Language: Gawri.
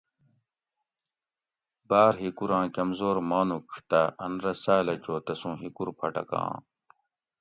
باۤر ھیکوراں کمزور مانوڄ تہ ان رہ ساۤلہ چو تسوں ھیکور پھٹکاں